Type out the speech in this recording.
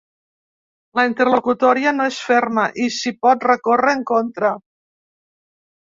La interlocutòria no és ferma i s’hi pot recórrer en contra.